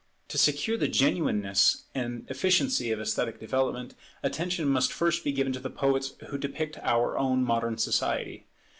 To secure the genuineness and efficiency of esthetic development, attention must first be given to the poets who depict our own modern society.